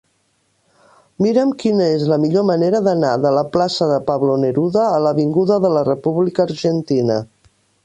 Mira'm quina és la millor manera d'anar de la plaça de Pablo Neruda a l'avinguda de la República Argentina.